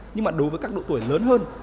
nhưng mà đối với các độ tuổi lớn hơn